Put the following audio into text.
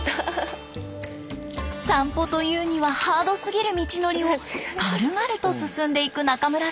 散歩というにはハードすぎる道のりを軽々と進んでいく中村さん。